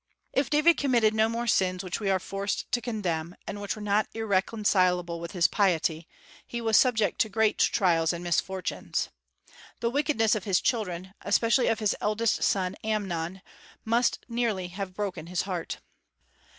If David committed no more sins which we are forced to condemn, and which were not irreconcilable with his piety, he was subject to great trials and misfortunes. The wickedness of his children, especially of his eldest son Amnon, must have nearly broken his heart.